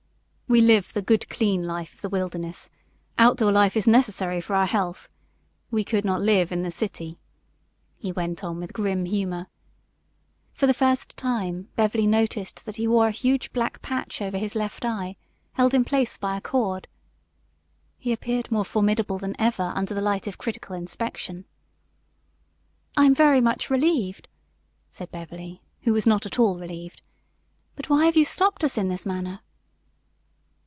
"We live the good, clean life of the wilderness. Out door life is necessary for our health. We could not live in the city," he went on with grim humor. For the first time, Beverly noticed that he wore a huge black patch over his left eye, held in place by a cord. He appeared more formidable than ever under the light of critical inspection. CHAPTER IV THE RAGGED RETINUE "I am very much relieved," said Beverly, who was not at all relieved. "But why have you stopped us in this manner?"